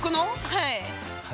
はい。